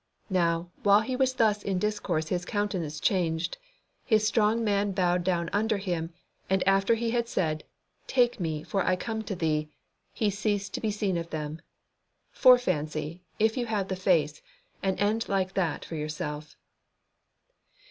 Now, while he was thus in discourse his countenance changed, his strong man bowed down under him, and after he had said, "Take me, for I come to Thee," he ceased to be seen of them. Fore fancy, if you have the face, an end like that for yourself.